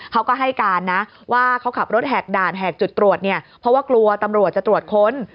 เขาก็ให้การนะว่าเขาขับรถแหกด่านแหกจุดตรวจเนี่ยเพราะว่ากลัวตำรวจจะตรวจค้น